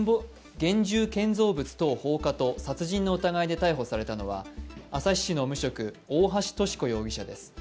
現住建造物等放火と殺人の疑いで逮捕されたのは旭市の無職、大橋とし子容疑者です